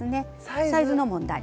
サイズの問題。